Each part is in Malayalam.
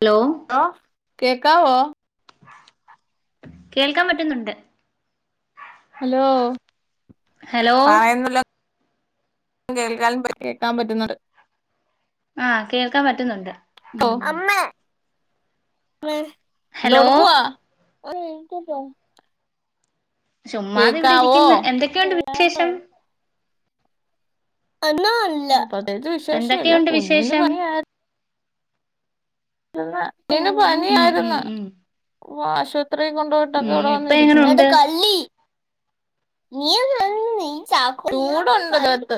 ഹലോ. ഓ കേക്കാവോ? കേൾക്കാൻ പറ്റുന്നുണ്ട്. ഹലോ ഹലോ പറയുന്നെല്ലാ. കേൾക്കാനും പ കേക്കാൻ പറ്റുന്നുണ്ട്. ആഹ് കേൾക്കാൻ പറ്റുന്നുണ്ട്. ഓ ഉം അമ്മേ [inaudible] ഹലോ എന്തൊടുക്കുവാ? ഒര് മിൻറ്റ് തെ. ചുമ്മാത് വ്ടെ കേക്കാവോ ഇരിക്കുന്നു എന്തൊക്കെയുണ്ട് വിശേഷം? ഒന്നു ഇല്ല പ്രത്യേയ്ച്ച് വിശേഷുല്ല എന്തൊക്കെയുണ്ട് കുഞ്ഞിന് വിശേഷം പനിയായ്. കുഞ്ഞ്ന് ഉം ഉം പനിയായ്ര്ന്ന് ഉം ഓ ആശു ത്രി കൊണ്ടുപോയ്ട്ടൊക്കെ ഉം ഇവ്ടെ ഇപ്പ വന്ന് ര്ക്കുന്നെ എട എങ്ങനുണ്ട് കല്ലി നീയും നീ ച ചൂടൊണ്ടല്ലോ അടുത്ത്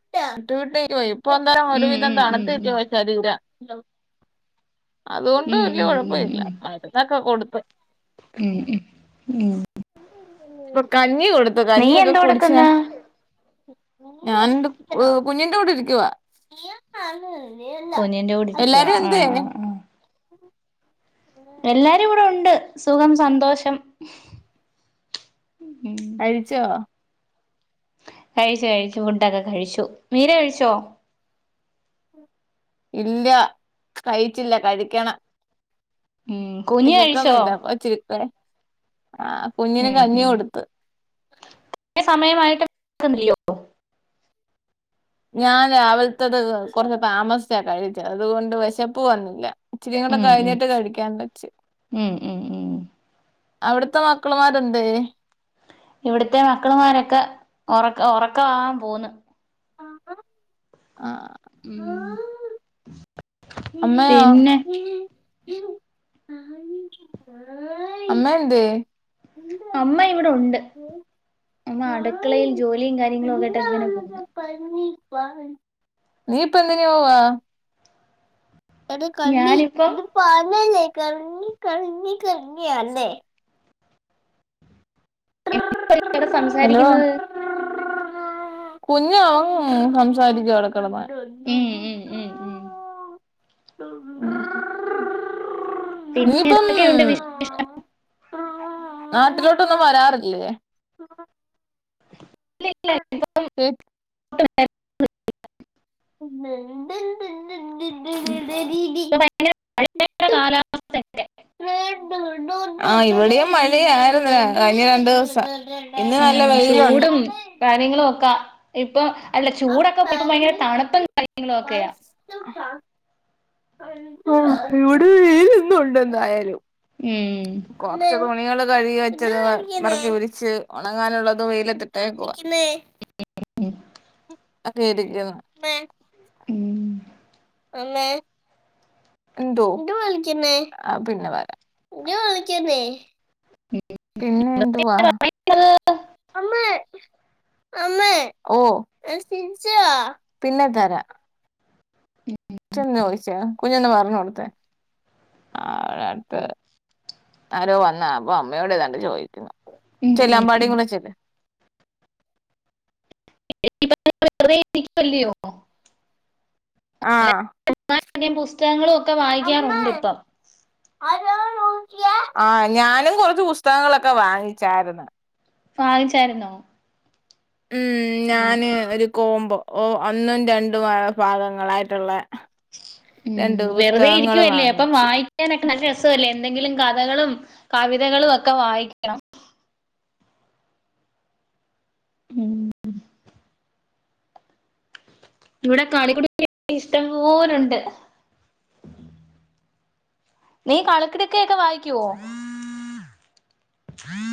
ടുട്ടിക്ക് പോയി ഇപ്പൊ ഒന്നരം ഉം ഒരുവിധം ഉം ഉം തണുത്ത് ഉം നിക്കുവ ശരീരം അതുകൊണ്ട് ഉം വല്യ ഉം ഉം കൊഴപ്പം ഉം ഇല്ല മരുന്നൊക്കെ കൊടുത്ത് ഉം ഉം ഉം ഇപ്പൊ കഞ്ഞി കൊടുത്തു നീ കഞ്ഞി ഒക്കെ എന്തോ കുടിച്ചെ എടുക്കുന്ന് ഞാൻ എന്റെ കുഞ്ഞിന്റെ കൂടെ ഇരിക്കുവ കുഞ്ഞിന്റെ കൂടെ ഇരിക്കുവാ എല്ലാരും എന്തേ ആഹ് ആഹ് ആഹ് എല്ലാരും ഇവിടെ ഉണ്ട് സുഖം സന്തോഷം ഉം കഴിച്ചോ കഴിച്ചു കഴിച്ചു ഫുഡൊക്കെ കഴിച്ചു മീര കഴിച്ചോ ഇല്ല കഴിച്ചില്ല കഴിക്കണം ഉം കുഞ്ഞ് കഴിച്ചോ വിശക്കുന്നില്ല അപ്പൊ ചിൽപ്പെ ആഹ് കുഞ്ഞിന് ഉം കഞ്ഞി കൊടുത്ത് സമയമായിട്ടും ക്കുന്നില്ലയോ ഞാൻ രാവിലത്തത് കൊറച്ച് താമസിച്ചാ കഴിച്ച അതുകൊണ്ട് വിശപ്പ് വന്നില്ല ഇച്ചിരി കൂടെ ഉം ഉം കഴിഞ്ഞിട്ട് കഴിക്കാന്ന് വെച്ച് ഉം ഉം ഉം അവിടുത്തെ മക്കള്മാര് എന്തേ ഇവിടുത്തെ മക്കളുമാരൊക്കെ ഉറക്ക ഉറക്കമാവാൻ പോന്ന് ആഹ്ഹാ ആഹ് ഉം അമ്മയോ പിന്നെ [unintelligible] [unintelligible] അമ്മ എന്തേ അമ്മ ഇവിടെ ഉണ്ട് അമ്മ അടുക്കളയിൽ ജോലിയും കാര്യങ്ങളും ഒക്കെ ആയിട്ട് ഇങ്ങനെ പോന്ന് നീപ്പോ എന്തിന് പോകുവ എടി കള്ളി ഞാനിപ്പം ഇത് പാന്‍ അല്ലെ കറങ്ങി കറങ്ങി കറങ്ങി അല്ലെ ഇപ്പ ഇവിടെ ഹലോ സംസാരിക്കുന്നത് കുഞ്ഞ് അവൻ സംസാരിക്കുവ അവിടെ കിടന്ന് ഉം ഉം ഉം ഉം പിന്നെ നീയിപ്പം ഇതൊക്കെയുണ്ട് [inaudible] നാട്ടിലോട്ടൊന്നും വരാറില്ലേ ഇല്ല ഇല്ല ഇപ്പം ചേച്ചി [inaudible] [unintelligible] ഭയങ്കര മഴയുടെ [inaudible] [unintelligible] [inaudible] ആഹ് ഇവിടെയും മഴയായിരുന്ന് കഴിഞ്ഞ രണ്ടു ദിവസം ഇന്ന് നല്ല ഉം വെയിലുണ്ട് ചൂടും കാര്യങ്ങളും ഒക്കാ ഇപ്പ അല്ല ചൂടൊക്കെ പോയി ഇപ്പം ഭയങ്കര തണുപ്പും കാര്യങ്ങളും ഒക്കെയാ [inaudible] ഇവിടെ വെയില് ഇന്നും ഉണ്ടെന്തായാലും ഉം കൊറച്ച് തുണികള് കഴുകി വെച്ചത് പെറുക്കി വിരിച്ച് ഉണങ്ങാനുള്ളത് വെയിലത്തിട്ടേക്കുവാ മ് മ് മ് ആഹ് പേടിക്കുന്ന് ഉം എന്തോ ആഹ് പിന്നെ വരാം പിന്നെ എന്തുവാ ഉം ഓ പിന്നെ തരാം ച്ച് എന്ന് ചോദിച്ചേ കുഞ്ഞൊന്ന് പറഞ്ഞ് കൊടുത്തെ അവിടെ അടുത്ത് ആരോ വന്ന് അപ്പൊ അമ്മയോട് ഏതാണ്ട് ചോദിക്കുന്നു ഉം ചെല്ല് ഉം അമ്പാടിയും കൂടെ ചെല്ല് [unintelligible] വെറുതെ ഇരിക്കുവല്ലയോ ആ പിന്നെ പുസ്തകങ്ങളും ഒക്കെ അമ്മേ വായിക്കാറുണ്ട് ഇപ്പം ആ ഞാനും കുറച്ച് പുസ്തകങ്ങളൊക്കെ വാങ്ങിച്ചായിരുന്നു വാങ്ങിച്ചായിരുന്നോ ഉം ഞാന് ഒരു കോംമ്പോ ഓ ഒന്നും രണ്ടും ഭാഗങ്ങളായിട്ടുള്ള ഉം രണ്ട് വെറുതെ പുസ്തകങ്ങൾ ഇരിക്കല്ലേ അപ്പം വാങ്ങിച്ചു വായി ക്കാനൊക്കെ നല്ല രസവല്ലേ എന്തെങ്കിലും കഥകളും കവിതകളും ഒക്കെ വായിക്കണം ഉം [inaudible] ഇവിടെ കളിക്കുടുക്ക ഇഷ്ടംപോലുണ്ട് നീ കളിക്കുടുക്കയൊക്കെ വായിക്കുവോ [inaudible]